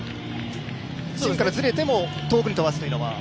芯からずれても遠くに飛ばすというのは？